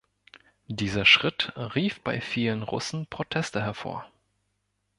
Dieser Schritt rief bei vielen Russen Proteste hervor.